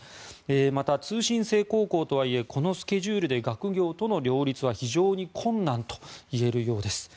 また通信制高校とはいえこのスケジュールで学業との両立は非常に困難といえるようです。